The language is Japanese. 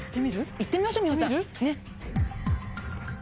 行ってみましょう美穂さん。